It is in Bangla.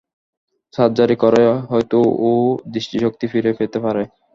সার্জারি করে হয়তো ও দৃষ্টিশক্তি ফিরে পেতে পারে।